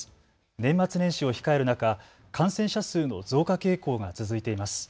年末年始を控える中、感染者数の増加傾向が続いています。